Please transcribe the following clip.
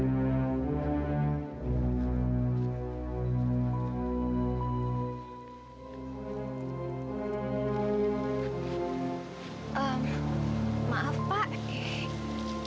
um maaf pak